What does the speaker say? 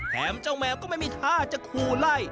เจ้าแมวก็ไม่มีท่าจะคู่ไล่